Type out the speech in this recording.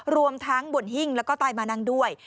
รวมทั้งบนหิ้งแล้วก็ใต้มานั่งด้วย